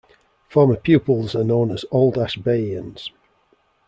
Former pupils are known as Old Ashbeians.